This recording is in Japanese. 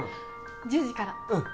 １０時からうん